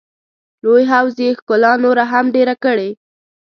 لوی حوض یې ښکلا نوره هم ډېره کړې.